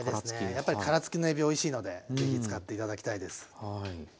やっぱり殻付きのえびおいしのでぜひ使って頂きたいです。